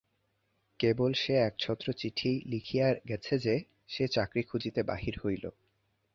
কেবল সে একছত্র চিঠি লিখিয়া গেছে যে, সে চাকরি খুঁজিতে বাহির হইল।